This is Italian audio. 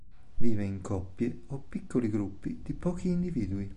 Vive in coppie o piccoli gruppi di pochi individui.